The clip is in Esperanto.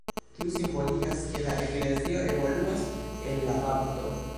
Tiu simboligas, ke la eklezio evoluas el la bapto.